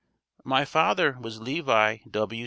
My father was Levi W.